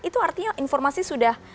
itu artinya informasi sudah